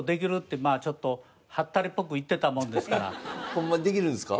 ホンマにできるんですか？